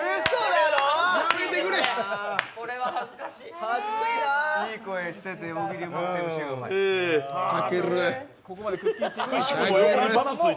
これは恥ずかしい。